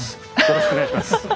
よろしくお願いします。